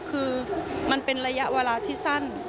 คือมันเป็นระยะเวลาที่สั้น